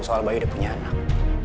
soal bayu dia punya anak